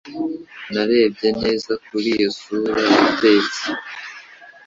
Narebye neza kuri iyo sura yatetse